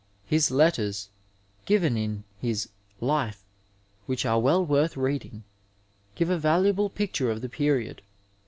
His letters, given in his Life, which are well worth reading, give a valuable picture of the period.